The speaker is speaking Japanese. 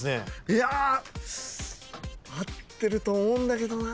いや合ってると思うんだけどな。